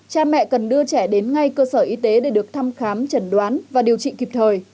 cha mẹ cần đưa trẻ đến ngay cơ sở y tế để được thăm khám chẩn đoán và điều trị kịp thời